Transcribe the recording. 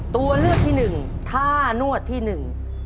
ตัวเลือกที่หนึ่งท่านวดที่หนึ่ง